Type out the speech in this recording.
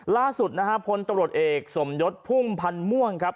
ล่าสุดนะฮะพลตำรวจเอกสมยศพุ่มพันธ์ม่วงครับ